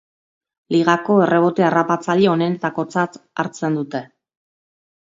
Ligako errebote harrapatzaile onenetakotzat hartzen dute.